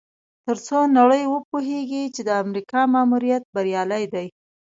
تر څو نړۍ وپوهیږي چې د امریکا ماموریت بریالی دی.